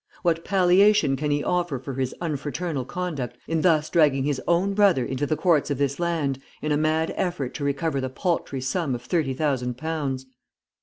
What palliation can he offer for his unfraternal conduct in thus dragging his own brother into the courts of this land in a mad effort to recover the paltry sum of thirty thousand pounds?